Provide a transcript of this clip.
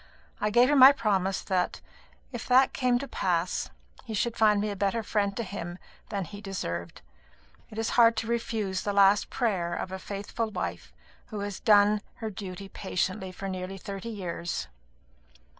I gave her my promise that, if that came to pass, he should find me a better friend to him than he deserved. It is hard to refuse the last prayer of a faithful wife who has done her duty patiently for nearly thirty years."